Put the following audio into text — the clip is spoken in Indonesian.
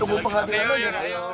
tunggu penghatian aja